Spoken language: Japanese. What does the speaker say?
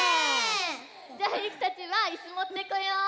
じゃあゆきたちはいすもってこよう！